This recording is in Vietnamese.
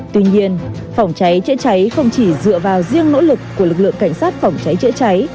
tuy nhiên phòng cháy chữa cháy không chỉ dựa vào riêng nỗ lực của lực lượng cảnh sát phòng cháy chữa cháy